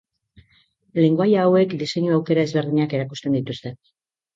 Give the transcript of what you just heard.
Lengoaia hauek diseinu aukera ezberdinak erakusten dituzte.